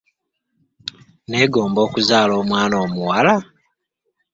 Neegomba okuzaala omwana omuwala.